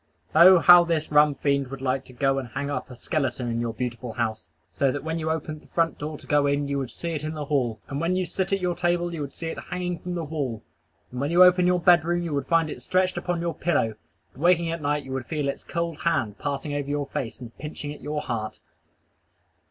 Oh, how this Rum Fiend would like to go and hang up a skeleton in your beautiful house, so that when you opened the front door to go in you would see it in the hall; and when you sit at your table you would see it hanging from the wall; and when you open your bed room you would find it stretched upon your pillow; and waking at night you would feel its cold hand passing over your face and pinching at your heart!